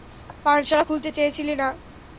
পানশালা খুলতে চেয়েছিলে না?